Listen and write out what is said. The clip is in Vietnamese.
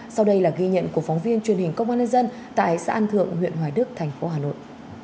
sau đây là ghi nhận của phóng viên truyền hình công an nhân dân tại xã an thượng huyện hoài đức thành phố hà nội